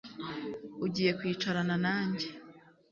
Ugiye kwicarana nanjye